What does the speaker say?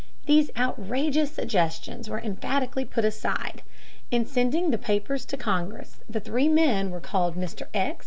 These outrageous suggestions were emphatically put aside. In sending the papers to Congress, the three men were called Mr. X.